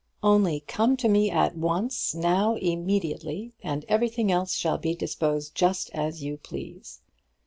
Only come to me at once, now, immediately, and everything else shall be disposed just as you please.